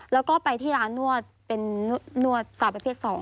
แล้วก็ไปที่ร้านนวดเป็นนวดสาวประเภท๒